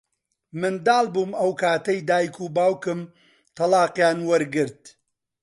منداڵ بووم ئەو کاتەی دیک و باوکم تەڵاقیان وەرگرت.